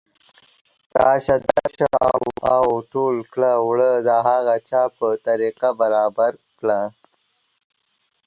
راشه درشه او او ټول کړه وړه د هغه چا په طریقه برابر کړه